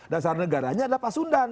dasar negaranya adalah pak sundan